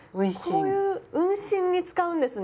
こういう運針に使うんですね。